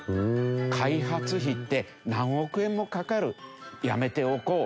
開発費って何億円もかかるやめておこうになったりして。